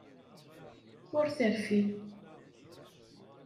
Ur terfi.